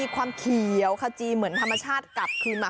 ความเขียวขจีเหมือนธรรมชาติกลับขึ้นมา